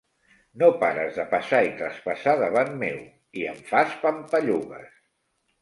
No pares de passar i traspassar davant meu i em fas pampallugues!